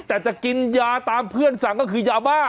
แต่จะกินยาตามเพื่อนสั่งก็คือยาบ้า